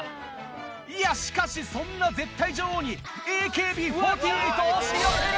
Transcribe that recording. いやしかしそんな絶対女王にＡＫＢ４８押し寄せる！